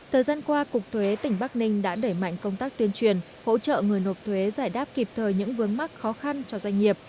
thời gian qua cục thuế tỉnh bắc ninh đã đẩy mạnh công tác tuyên truyền hỗ trợ người nộp thuế giải đáp kịp thời những vướng mắc khó khăn cho doanh nghiệp